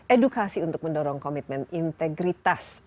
edukasi untuk mendorong komitmen integritas serta meningkatkan kepentingan